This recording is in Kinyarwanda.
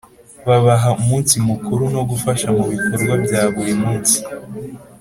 Babaha umunsi Mukuru no gufasha mu bikorwa bya buri munsi